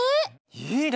いいね！